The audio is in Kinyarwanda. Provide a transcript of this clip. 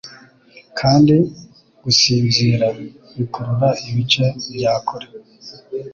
Kandi gusinzira bikurura ibice bya kure: